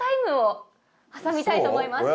挟みたいと思います。